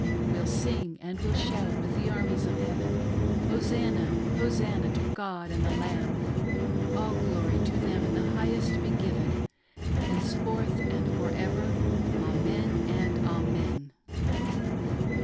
We'll sing and we'll shout with the armies of heaven Hosannah ! Hosannah, to God and the Lamb ! All glory to them in the highest be given, Henceforth and for ever : Amen, and Amen